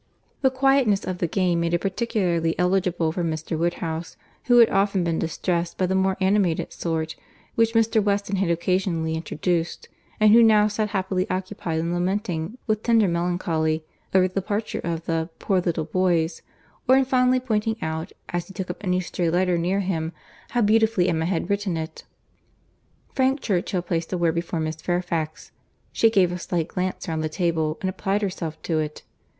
The quietness of the game made it particularly eligible for Mr. Woodhouse, who had often been distressed by the more animated sort, which Mr. Weston had occasionally introduced, and who now sat happily occupied in lamenting, with tender melancholy, over the departure of the "poor little boys," or in fondly pointing out, as he took up any stray letter near him, how beautifully Emma had written it. Frank Churchill placed a word before Miss Fairfax. She gave a slight glance round the table, and applied herself to it.